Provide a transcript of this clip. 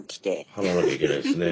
払わなきゃいけないですね。